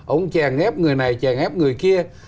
ông chèn ép người này chèn ép người kia